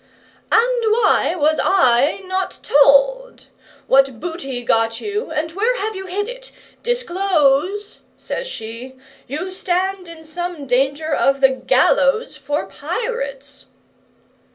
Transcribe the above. '"And why was I not told? What booty got you, and where have you hid it? Disclose," says she. "You stand in some danger of the gallows for pirates."